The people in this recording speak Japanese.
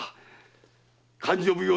勘定奉行